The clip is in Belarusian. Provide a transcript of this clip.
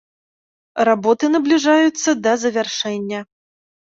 Работы набліжаюцца да завяршэння.